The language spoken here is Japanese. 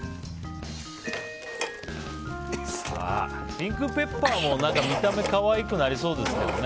ピンクペッパーも、見た目が可愛くなりそうですけどね。